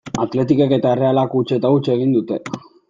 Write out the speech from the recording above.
Athleticek eta Errealak huts eta huts egin dute.